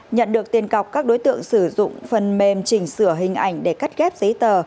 nhận được tiền cọc các đối tượng sử dụng phần mềm chỉnh sửa hình ảnh để cắt ghép giấy tờ